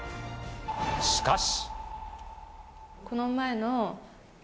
しかし。